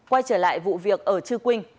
quay trở lại vụ việc ở chư quynh